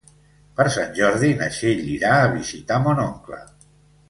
Per Sant Jordi na Txell irà a visitar mon oncle.